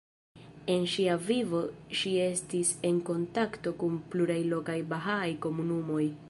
En ŝia vivo ŝi estis en kontakto kun pluraj lokaj bahaaj komunumoj.